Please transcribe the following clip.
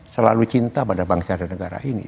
selalu cinta pada bangsa dan negara ini